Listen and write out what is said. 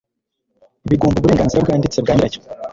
bigomba uburenganzira bwanditse bwa nyiracyo.